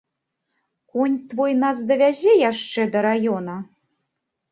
Конь твой нас давязе яшчэ да раёна?